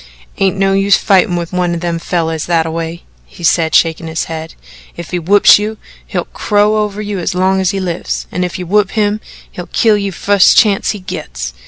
"Ain't no use fightin' with one o' them fellers thataway," he said, shaking his head. "If he whoops you, he'll crow over you as long as he lives, and if you whoop him, he'll kill ye the fust chance he gets.